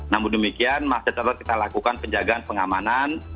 namun demikian masih tetap kita lakukan penjagaan pengamanan